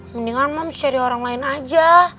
mendingan moms cari orang lain aja